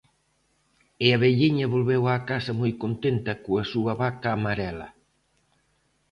E a velliña volveu á casa moi contenta coa súa vaca marela.